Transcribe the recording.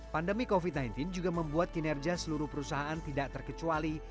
pandemi covid sembilan belas juga membuat kinerja seluruh perusahaan tidak terkecuali